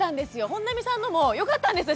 本並さんのもよかったんですよ